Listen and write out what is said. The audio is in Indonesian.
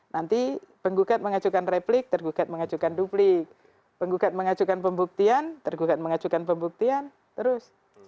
nanti penggugat mengajukan replik tergugat mengajukan duplik penggugat mengajukan pembuktian tergugat mengajukan pembuktian terus